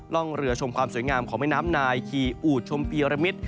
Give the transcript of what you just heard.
ร่องเรือชมความสวยงามของแม่น้ำนายคีอูดชมปียระมิตร